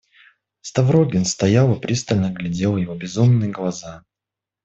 Ставрогин стоял и пристально глядел в его безумные глаза.